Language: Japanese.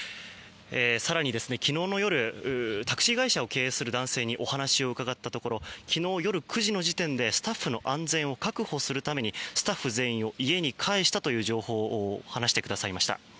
更に、昨日の夜タクシー会社を経営する男性にお話を伺ったところ昨日夜９時の時点でスタッフの安全を確保するためにスタッフ全員を家に帰したと話してくださいました。